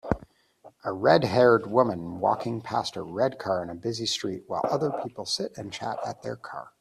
A redhaired woman walking past a red car on a busy street while other people sit and chat at their car